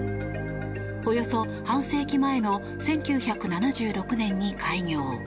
およそ半世紀前の１９７６年に開業。